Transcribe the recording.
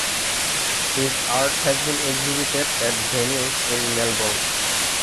His art has been exhibited at venues in Melbourne.